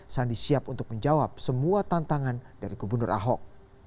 sandi siap untuk menjawab semua tantangan dari gubernur ahok